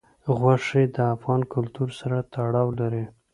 غوښې د افغان کلتور سره تړاو لري.